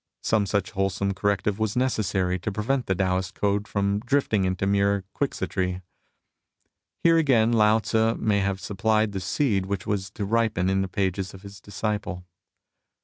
Some such wholesome cor rective was necessary to prevent the Taoist code from drifting into mere quixotry. Here again Lao Tzu may have supplied the seed which was to ripen in the pages of his disciple.